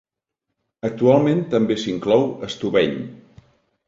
Actualment també s'inclou Estubeny.